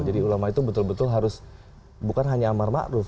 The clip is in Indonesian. jadi ulama itu betul betul harus bukan hanya amar makruf